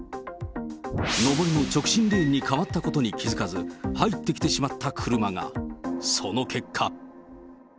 上りの直進レーンに変わったことに気付かず、入ってきてしまった車が。